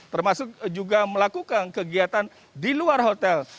termasuk juga melakukan kegiatan di luar hotel